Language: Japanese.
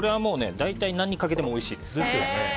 大体、何にかけてもおいしいですね。